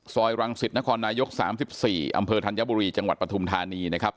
รังสิตนครนายก๓๔อำเภอธัญบุรีจังหวัดปฐุมธานีนะครับ